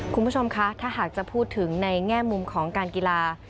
คุณผู้ชมคะถ้าหากจะพูดถึงในแง่มุมของการกีฬา